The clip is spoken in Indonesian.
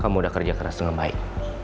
kamu udah kerja keras dengan baik